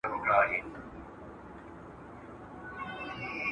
ماشوم په ډېرې خوښۍ سره د چرګې د بچیو ننداره کوله.